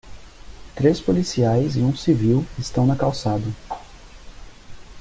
Três policiais e um civil estão na calçada.